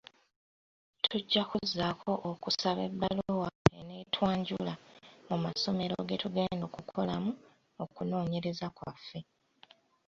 Tujja kuzzaako okusaba ebbaluwa eneetwanjula mu masomero ge tugenda okukolamu okunoonyereza kwaffe.